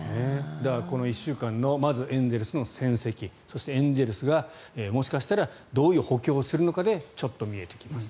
この１週間のまず、エンゼルスの戦績そしてエンゼルスがもしかしたらどういう補強をするのかでちょっと見えてきます。